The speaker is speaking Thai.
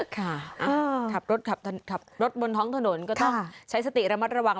ขับรถขับรถบนท้องถนนก็ต้องใช้สติระมัดระวัง